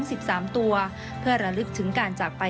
ช่วยให้สามารถสัมผัสถึงความเศร้าต่อการระลึกถึงผู้ที่จากไป